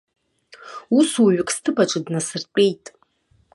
Усуҩык сҭыԥаҿы днасыртәеит.